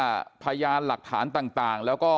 มีคนมาแสงข้อหาภายะหลักฐานต่างแล้วก็